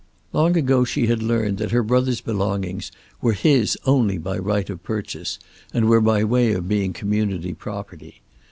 Long ago she had learned that her brother's belongings were his only by right of purchase, and were by way of being community property.